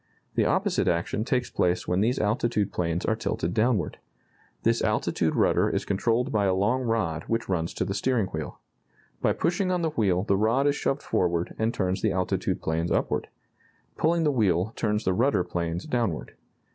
The opposite action takes place when these altitude planes are tilted downward. This altitude rudder is controlled by a long rod which runs to the steering wheel. By pushing on the wheel the rod is shoved forward and turns the altitude planes upward. Pulling the wheel turns the rudder planes downward.